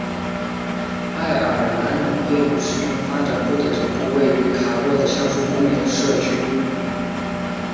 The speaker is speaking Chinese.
爱尔兰农业与食品发展部的总部位于卡洛的橡树公园社区。